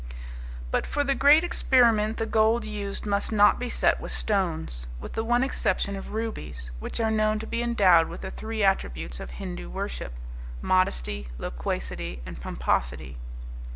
But for the great experiment the gold used must not be set with stones, with the one exception of rubies, which are known to be endowed with the three attributes of Hindu worship, modesty, loquacity, and pomposity.